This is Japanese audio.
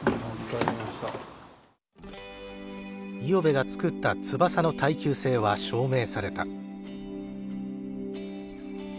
五百部が作った翼の耐久性は証明された。